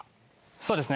そうですね